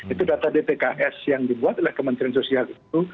itu data dpks yang dibuat oleh kementerian sosial itu